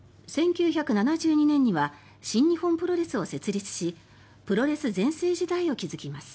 １９７２年には新日本プロレスを設立しプロレス全盛時代を築きます。